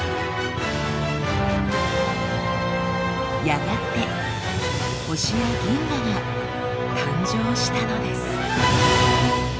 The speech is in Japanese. やがて星や銀河が誕生したのです。